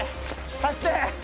走って！